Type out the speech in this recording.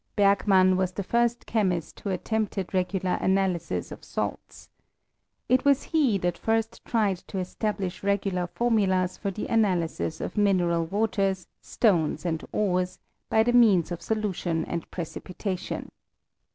Bergman was the first chemist who attempted re gular analyses of salts. It was he that first tried to establish regular formulas for the analyses of mineral waters, stones, and ores, by the means of solution and precipitation.